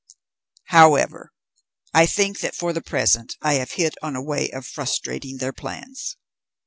However, I think that for the present I have hit on a way of frustrating their plans.